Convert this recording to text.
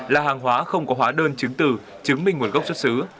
là hàng hóa không có hóa đơn chứng từ chứng minh nguồn gốc xuất xứ